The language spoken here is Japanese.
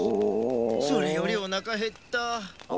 それよりおなかへった。